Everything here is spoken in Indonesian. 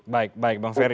baik bang ferry